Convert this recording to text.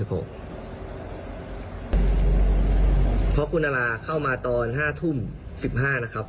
เพราะคุณนาราเข้ามาตอน๕ทุ่ม๑๕นะครับ